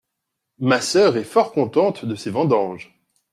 Ma sœur est fort contente de ses vendanges.